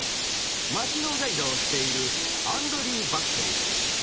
街のガイドをしているアンドリュー・バックリーです。